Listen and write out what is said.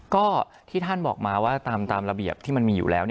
ก็ที่ท่านบอกมาว่าตามระเบียบที่มันมีอยู่แล้ว